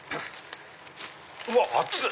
うわっ熱っ！